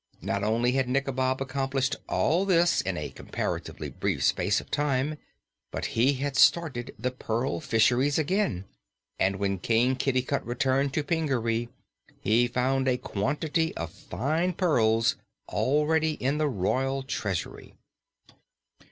Not only had Nikobob accomplished all this in a comparatively brief space of time, but he had started the pearl fisheries again and when King Kitticut returned to Pingaree he found a quantity of fine pearls already in the royal treasury.